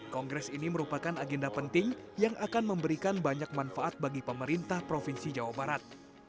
kongres ini merupakan agenda penting yang akan memberikan banyak manfaat bagi pemerintah provinsi jawa barat